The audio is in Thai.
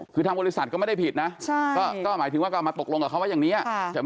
คือทางบริษัทก็ไม่ได้ผิดนะก็หมายถึงว่าก็เอามาตกลงกับเขาว่าอย่างนี้